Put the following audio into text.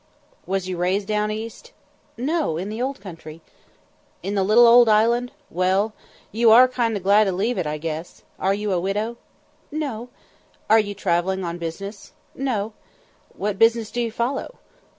"Was you raised down east?" "No, in the Old Country." "In the little old island? well, you are kinder glad to leave it, I guess? Are you a widow?" "No." "Are you travelling on business?" "No." "What business do you follow?"